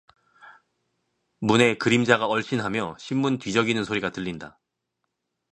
문에 그림자가 얼씬하며 신문 뒤적이는 소리가 들린다.